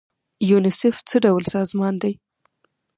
یونیسف څه ډول سازمان دی؟